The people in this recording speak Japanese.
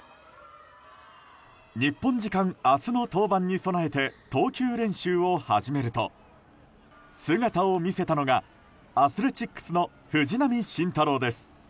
日本時間、明日の登板に備えて投球練習を始めると姿を見せたのがアスレチックスの藤浪晋太郎です。